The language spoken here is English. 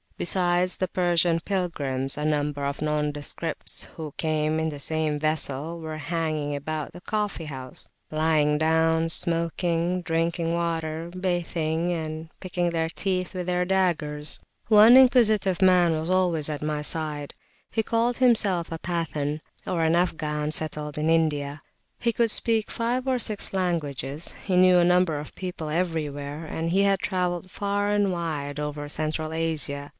Besides the Persian pilgrims, a number of nondescripts who came in the same vessel were hanging about the coffee house; lying down, smoking, drinking water, bathing and picking their teeth with their daggers. One inquisitive man [p.217] was always at my side. He called himself a Pathan (Afghan settled in India); he could speak five or six languages, he knew a number of people everywhere, and he had travelled far and wide over Central Asia.